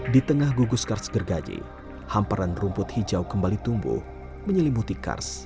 di tengah gugus kars gergaji hamparan rumput hijau kembali tumbuh menyelimuti kars